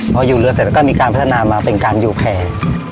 พออยู่เรือเสร็จแล้วก็มีการพัฒนามาเป็นการอยู่แพร่